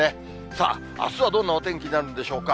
さあ、あすはどんなお天気になるんでしょうか。